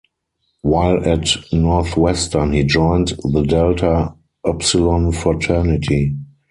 While at Northwestern he joined the Delta Upsilon fraternity.